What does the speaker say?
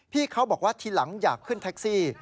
พี่เขาบอกว่าทีหลังอยากขึ้นแท็กซี่